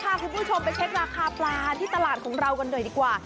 พาคุณผู้ชมไปเช็คราคาปลาที่ตลาดของเรากันหน่อยดีกว่า